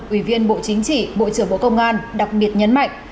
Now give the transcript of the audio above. ủy viên bộ chính trị bộ trưởng bộ công an đặc biệt nhấn mạnh